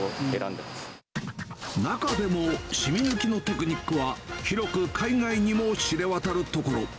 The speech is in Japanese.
中でも、染み抜きのテクニックは広く海外にも知れ渡るところ。